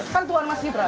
kan tuan mas gibran